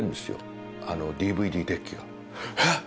えっ⁉